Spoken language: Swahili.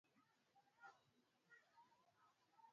Ni Mkataba wa Kimataifa wa Kuzuia Uchafuzi kutoka kwenye Meli